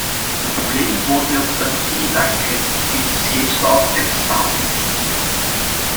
Het concrete voorbeeld dat ik in gedachten heb is de scheepsbouw en de staalindustrie.